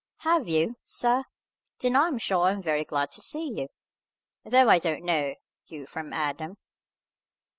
"Have you, sir? Then I am sure I am very glad to see you, though I don't know you from Adam."